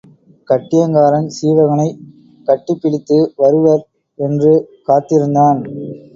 கட்டியங்காரன் சீவகனைக் கட்டிப் பிடித்து வருவர் என்று காத்திருந்தான்.